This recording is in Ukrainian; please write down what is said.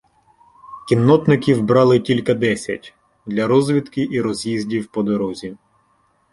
Кіннотників брали тільки десять - для розвідки і роз'їздів по дорозі.